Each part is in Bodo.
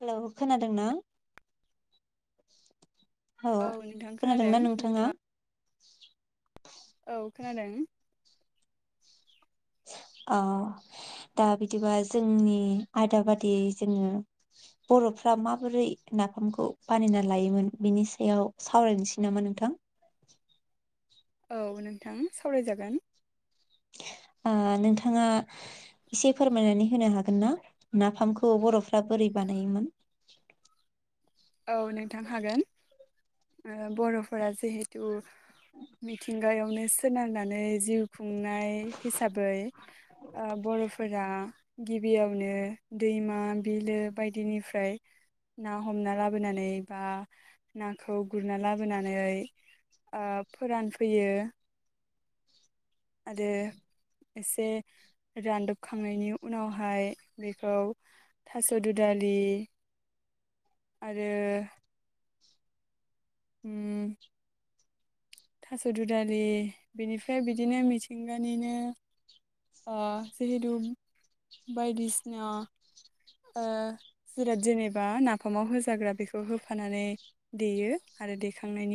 हेलौ खोनादों ना? औ खोनादोंना नोंथाङा? [inaudible] औ खोनादों। अ दा बिदिबा जोंनि आयदा बादि जोङो बर'फ्रा माबोरै नाफामखौ बानायना लायोमोन बिनि सायाव सावरायनोसै नामा नोंथां? औ नोंथां सावरायजागोन। ओ नोंथाङा एसे फोरमायनानै होनो हागोन ना नाफामखौ बर'फ्रा बोरै बानायोमोन? औ नोंथां हागोन ओ बर'फोरा जिहेथु मिथिंगायावनो सोनारनानै जिउ खुंनाय हिसाबै ओ बर'फोरा गिबियावनो दैमा बिलो बायदिनिफ्राय ना हमना लाब बोनानै बा नाखौ गुरना लाबोनानै ओ फोरानफैयो। आरो एसे रानदबखांनायनि उनावहाय बेखौ थास' दुदालि आरो हम थास' दुदालि बिनिफ्राय बिदिनो मिथिंगानिनो ओ जिहेतु बायदिसिना ओ जिराद जेनेबा नाफामाव होजाग्रा बेखौ होफानानै देयो आरो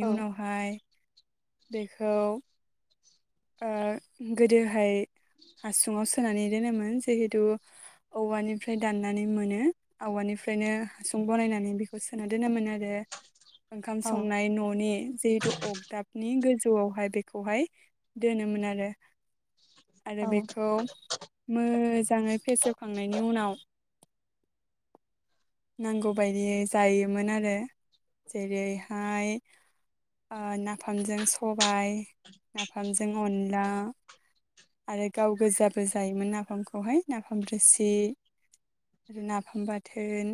औ उनावहाय बेखौ ओ गोदोहाय हासुङाव सोनानै दोनोमोन जिहेथु औवानिफ्राय दाननानै मोनो औवानिफ्रायनो हासुं बनायनानै बेखौ सोना दोनोमोन आरो ओंखाम औ संनाय न'नि जिहेथु अगदाबनि गोजौआव हाय बेखौहाय दोनोमोन आरो। आरो औ बेखौ मोजाङै फेसेवखांनायनि उनाव नांगौबायदियै जायोमोन आरो जेरैहाय ओ नाफामजों सबाय, नाफामजों अनला आरो गाव गोजाबो जायोमोन नाफामखौहाय नाफाम रोसि आरो नाफाम बाथोन।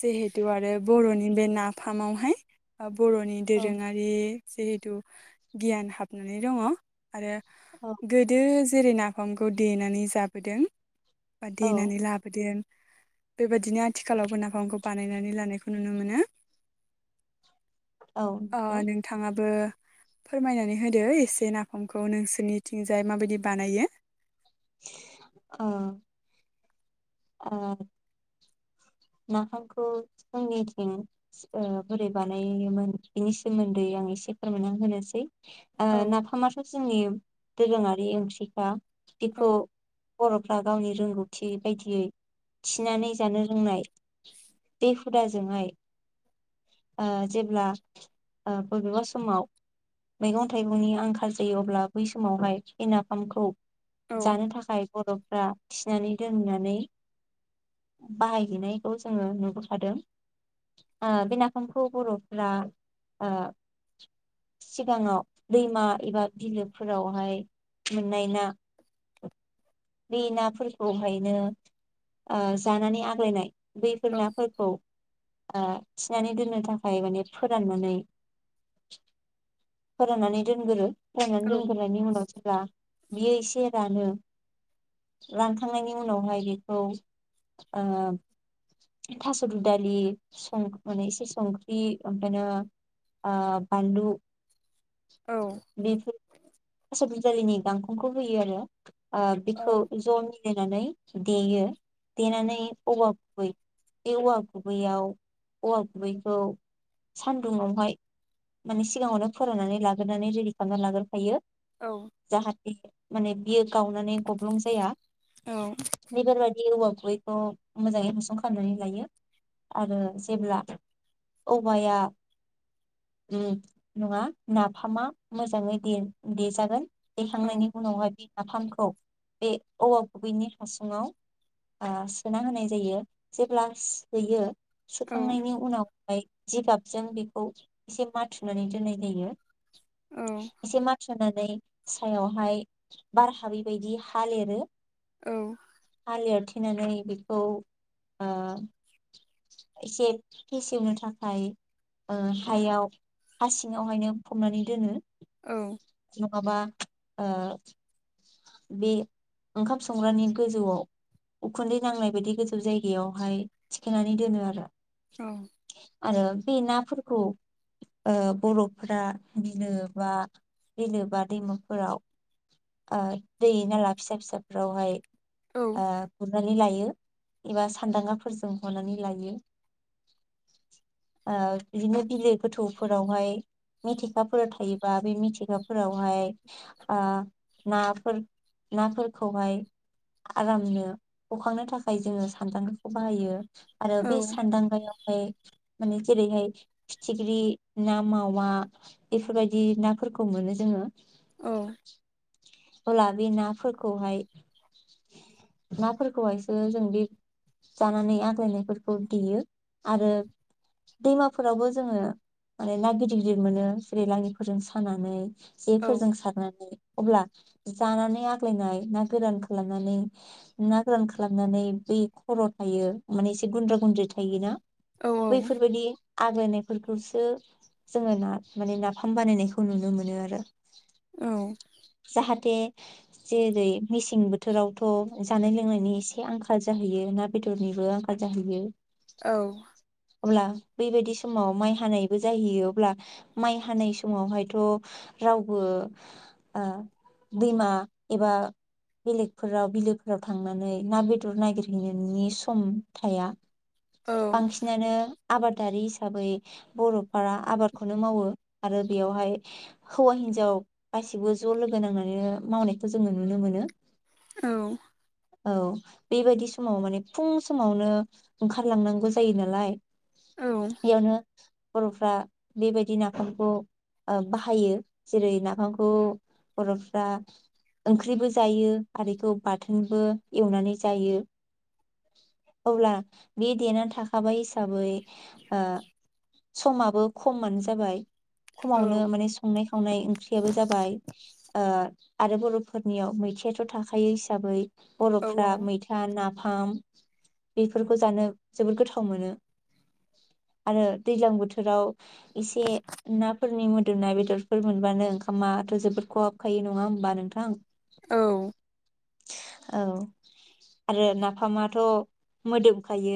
जिहेथु आरो बर'नि बे नाफामाव हाय ओ बर'नि औ दोरोङारि जिहेथु गियान हाबनानै दङ आरो गोदो जेरै नाफामखौ देनानै जाबोदों बा औ देनानै लाबोदों बेबायदिनो आथिखालावबो नाफ फामखौ बानायनानै लानायखौ नुनो मोनो। औ ओ नंगौ नोंथाङाबो फोरमायनानै होदो एसे नाफामखौ नोंसोरनिथिंजाय माबायदि बानायो? अ अ नाफामखौ जोंनिथिं ओ बोरै बानायोमोन बिनि सोमोन्दै आं एसे फोरमायना होनोसै। ओ औ नाफामाथ' जोंनि दोरोङारि ओंख्रिखा बिखौ औ बर'फ्रा गावनि रोंगौथि बायदियै थिनानै जानो रोंनाय बे हुदाजोंहाय ओ जेब्ला ओ बबेबा समाव मैगं थाइगंनि आंखाल जायो अब्ला बै समावहाय बि नाफामखौ औ जानो थाखाय बर'फ्रा थिनानै दोननानै बाहायहैनायखौ जोङो नुबोखादों ओ बे नाफामखौ बर'फोरा ओ सिगाङाव दैमा एबा बिलोफोरावहाय मोननाय ना बे नाफोरखौ हायनो आ जानानै आग्लायनाय बैफोर औ ना फोरखौ ओ थिनानै दोननो थाखाय माने फोराननानै फोराननानै दोनगोरो फोराननानै औ दोनग्रो नायनि उनाव जेब्ला बियो एसे रानो रानखांनायनि उनावहाय बेखौ ओ थास' दुदालि सं माने एसे संख्रि ओमफायो ओ बानलु औ बिफोर [unintelligible] दालिनि गांखंखौ होयो आरो ओ औ खौ जनि नायनानै देयो देनानै औवा गुबै बे औवा गुबैयाव औवा गुबैखौ सानदुंवहाय माने सिगांङावनो फोराननानै लाग्रोनानै रेडि खालामनानै लाग्रोखायो औ जाहा माने बियो गावनानै ग जाया औ बेफोर बायदि औवा बैखौ मोजाङै हासु़ खालामनानै लायो आरो जेब्ला औवाया उम नङा नाफामा मोजाङै दे देजागोन देखांनायनि उनावहाय बि नाफामखौ बे औवा गुबैनि हासुंङाव ओ सोना होनाय जायो जेब्ला सोयो औ सोखांनायनि उनाव ओमफ्राय जिगाबजों बेखौ एसे माथुनानै दोननाय जायो। औ एसे माथुना नै सायावहाय बार हाबै बायदि हा लेरो औ हा लिरथेनानै बेखौ ओ एसे फेसेवनो थाखाय ओ हायाव हा सिंङावहायनो फबनानै दोनो। औ नंङाबा ओ बे ओंखाम संग्रानि गोजौआव उखुन्दै नांनाय बायदि गोजौ जायगायावहाय थिखांनानै दोनो आरो औ। आरो बे नाफोरखौ ओ बर'फोरा बिलो बा बिलो बा दैमाफोराव ओ दै नाला फिसा फिसाफ्रावहाय ओ गुरनाय नै लायो एबा सानदांगाफोरजों हनानै लायो। ओ बिदिनो बिलो गोथौफोरावहाय मिथिखाफोर थायोबा बे मिथिखाफोरावहाय आ नाफोर नाफोरखौहाय आरामनो हखांनो थाखाय जोङो सान्दांगाखौ बाहायो। आरो बे सानदांगायाव ओमफ्राय माने जेरैहाय फिथिख्रि, ना मावा बेफोर बायदि नाफोरखौ मोनो जोङो। औ। अला बे नाफोरखौहाय नाफोरखौहायसो जों बे जानानै आग्लायनायफोरखौ देयो आरो दैमाफोरावबो जोङो माने ना गिदिर गिदिर मोनो जेरै लाङिफोरजों सानानै जेफोरजों सारनानै अब्ला जानानै आग्लायनाय ना गोरान खालामनानै ना गोरान खालामनानै बै खर' थायो माने एसे गुन्द्रा गुन्द्रि थायोना बैफोरबादि आग्लायनायफोरखौसो जोङो ना माने नाफाम बानायनायखौ नुनो मोनो आरो। औ। फाथे जेरै मेसें बोथोरावथ' जानाय लोंनायनि एसे आंखाल जाहैयो ना बेदरनिबो आंखाल जाहैयो। औ। अब्ला बेबायदि समाव माइ हानायबो जाहैयो अब्ला माइ हानाय समावहायथ' रावबो ओ दैमा एबा बेलेगफोराव बिलोफोराव थांनानै ना बेदर नागिरहैनायनि सम थाया। औ। बांसिनानो आबादारि हिसाबै बर'फोरा आबादखौनो मावो आरो बेयावहाय हौवा हिन्जाव गासिबो ज' लोगो नांनानैनो मावनायखौ जोङो नुनो मोनो। औ। औ बेबादि समाव माने फुं समावनो ओंखारलांनांगौ जायोना। लाय औ। बर'फ्रा बेबायदि नाफामखौ बाहायो। जेरै नाफामखौ बर'फ्रा ओंख्रिबो जायो आरोखौ बाथोनबो एवनानै जायो। अब्ला बे देना थाखा बाय हिसाबै आ समाबो खमानो जाबाय। खमावनो माने संनाय खावनाय ओंख्रियाबो जाबाय। ओ आरो बर'फोरनियाव मैथायाथ' थाखायो हिसाबै बर'फ्रा औ मैथा ना फाम बेफोरखौ जानो जोबोद गोथाव थाव मोनो आरो दैज्लां बोथोराव एसे नाफोरनि मोदोमनाय बेदरफोर मोनबानो ओंखामाथ' जोबोद खहाबखायो नङा होमबा नोंथां? औ। औ आरो नाफामाथ' मोदोमखायो।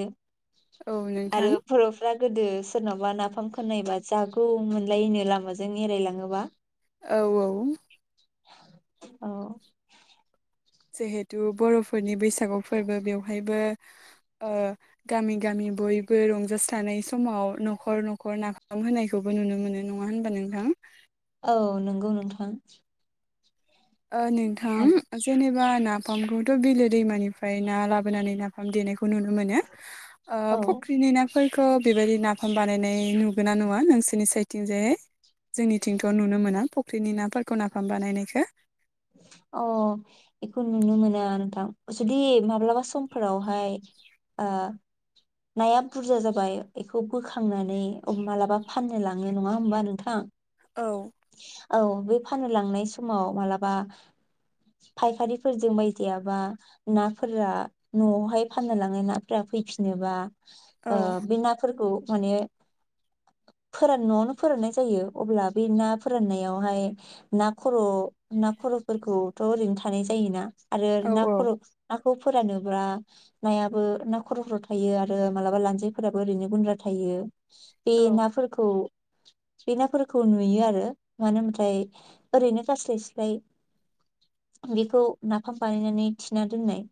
औ आरो नोंथां बर'फ्रा गोदो सोरनावबा नाफाम खोननायबा जागौ मोनलायनो लामाजों एरायलाङोबा औ औ औ जिहेथु बर'फोरनि बैसागु फोरबो बेवहायबो गामि गामि बयबो रंजासानाय समाव नखर नखर नाफाम होनायखौबो नुनो मोनो नङा होनबा नोंथां औ नंगौ नोंथां नोंथां जेनेबा नाफामखौथ बिलो दैमानिफ्राय ना लाबोनानै नाफाम देनाय ननो मोन औ फनि न खौ बेबायदि नाफाम बानायनाय नुगोन ना नङा नोंसोरनि साइडथिंजायहाय जोंनिथिंथ' नुनो मोना फुख्रिनि नाफोरखौ नाफाम बानायनायखौ अ बेखौ नुनो मोना नोंथां जुदि माब्लाबा सम फोरावहाय ओ नाया बुरजा जाबाय बेखौ बोखांनानै मालाबा फाननो लाङो नङा होमबा नोंथां औ औ बे फाननो लांनाय समाव मालाबा फायखारिफोरजों बायदियाबा नाफोरा न'आवहाय फाननो लांनाय नाफोरा फैफिनोबा औ बे नाफोरखौ माने फोराना न'आवनो फोराननाय जायो अब्ला बे ना फोराननायावहाय ना खर' ना खर'फोरखौथ' ओरैनो थानाय जायोना आरो औ ना औ खर' ना खौ फोरानोब्ला नायाबो ना खर' फोर थायो आरो मालाबा लान्जायफोराबो ओरैनो गुन्द्रा थायो बे औ नाफोरखौ बे नाफोरखौ नुयो आरो मानो होनाथाय ओरैनो गारस्लाय स्लाय बेखौ नाफाम बानायनानै थिना दोननाय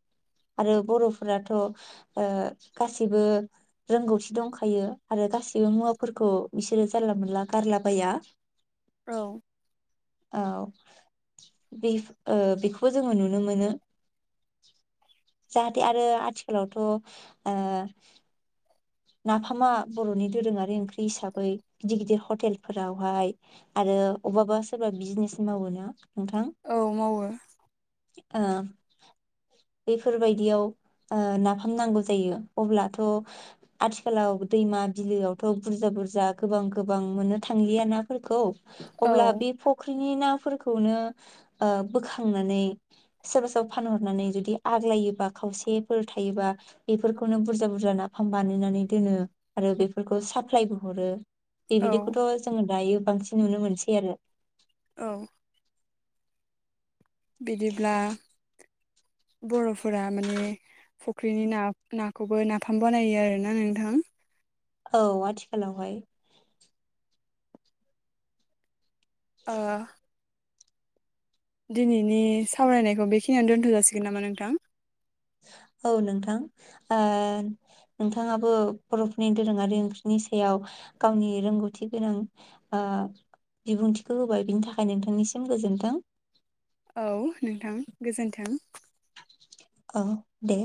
आरो बर'फोराथ' गासैबो रोंगौथि दंखायो आरो गासैबो मुवाफोरखौ बिसोरो जानला मोनला गारलाबाया औ औ बे बेखौबो जोङो नुनो मोनो जाहाथे आरो आथिखालावथ' नाफामा बर'नि दोरोङारि ओंख्रि हिसाबै गिदिर गिदिर हटेलफोरावहाय आरो अबबा सोरबा बिजिनेस मावोना नोंथां औ मावो ओ बेफोरबायदियाव नाफाम नांगौ जायो अब्लाथ' आथिखालाव दैमा बिलोआवथ' बुरजा बुरजा गोबां गोबां बां मोननो थांया ना औ अ बे बै ना फोरखौनो बोखांनानै सोरबा सोरबा फानरनानै ज जुदि आग्लायोबा खावसेफोर थायोबा बेफोरखौनो बुरजा बुरजा नाफाम बानायनानै दोनो आरो बेफोरखौ साप्लायबो हरो औ बेबायदिखौथ' जोङो गायो बांसिन नुनो मोनसै आरो औ बिदिब्ला बर'फोरा माने फुख्रिनि ना नाखौबो नाफाम बानायो आरोना नोंथां औ आथिखालावहाय [inaudible] दिनैनि सावरायनायखौ बेखिनियानो दोनथ' जासिगोन नामा नोंथां औ नोंथां नोंथाङाबो बर'फोरनि दोरोङारि ओंख्रिनि सायाव गावनि रोंगौथि गोनां बिबुंथिखौ होबाय बिनि थाखाय नोंथांनिसिम गोजोन्थों औ नोंथां गोजोन्थों अ दे